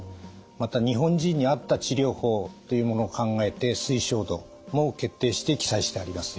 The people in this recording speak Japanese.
また日本人に合った治療法というものを考えて推奨度も決定して記載してあります。